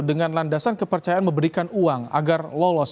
dengan landasan kepercayaan memberikan uang agar lolos